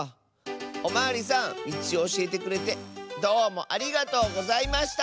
おまわりさんみちをおしえてくれてどうもありがとうございました！